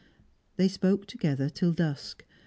They spoke together till dusk.